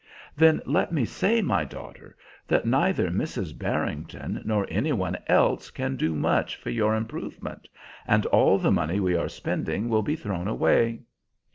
Then let me say, my daughter, that neither Mrs. Barrington nor any one else can do much for your improvement, and all the money we are spending will be thrown away.